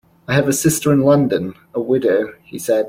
"I have a sister in London, a widow," he said.